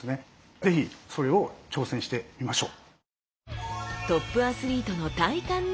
是非それを挑戦してみましょう！